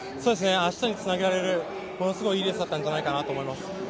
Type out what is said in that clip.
明日につなげられるものすごいいいレースだったんじゃないかなと思います。